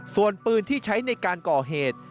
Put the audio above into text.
ส่วนปืนที่ใช้ในการก่อเหตุ